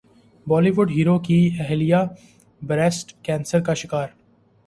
بولی وڈ ہیرو کی اہلیہ بریسٹ کینسر کا شکار